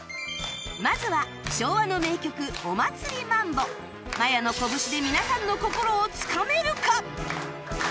まずは昭和の名曲『お祭りマンボ』まやのこぶしで皆さんの心をつかめるか？